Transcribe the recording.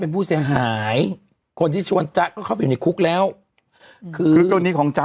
เป็นผู้เสียหายคนที่ชวนจ๊ะก็เข้าไปอยู่ในคุกแล้วคือคือกรณีของจ๊ะ